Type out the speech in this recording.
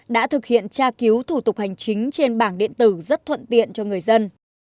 đã thực hiện tra cứu thủ tục hành chính trên bảng điện tử rất thuận tiện cho người dân